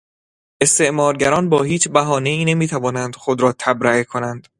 استعمار گران با هیچ بهانهای نمیتوانند خود را تبرئه کنند.